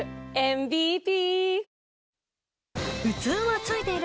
ＭＢＰ